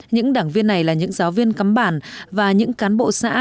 những đảng viên này là những giáo viên cắm bản và những cán bộ xã